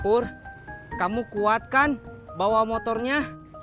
pur kamu kuat kan bawa motornya